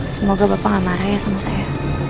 semoga bapak gak marah ya sama saya